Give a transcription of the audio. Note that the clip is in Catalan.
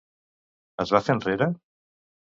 Es va fer enrere?